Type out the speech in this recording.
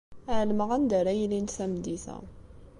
Ɛelmeɣ anda ara ilint tameddit-a.